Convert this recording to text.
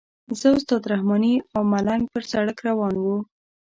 زه استاد رحماني او ملنګ پر سړک روان وو.